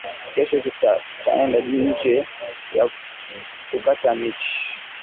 Kesho tutendatu nju ya kukata michi